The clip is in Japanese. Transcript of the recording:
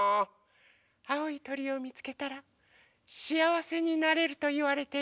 あおいとりをみつけたらしあわせになれるといわれているの。